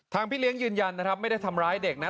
พี่เลี้ยงยืนยันนะครับไม่ได้ทำร้ายเด็กนะ